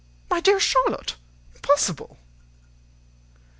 my dear Charlotte, impossible!"